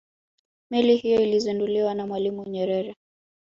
meli hiyo ilizinduliwa na mwalimu nyerere